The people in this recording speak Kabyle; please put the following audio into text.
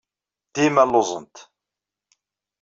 Dima lluẓent.